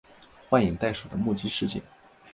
幻影袋鼠的目击事件。